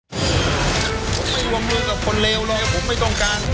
ผมไม่วงมือกับคนเลวเลยผมไม่ต้องการ